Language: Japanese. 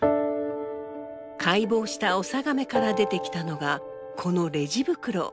解剖したオサガメから出てきたのがこのレジ袋。